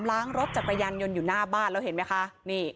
ล้างรถจักรยานยนต์อยู่หน้าบ้านแล้วเห็นไหมคะนี่